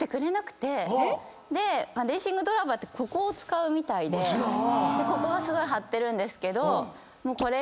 レーシングドライバーってここを使うみたいでここがすごい張ってるんですけど。